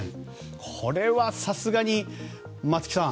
これはさすがに、松木さん。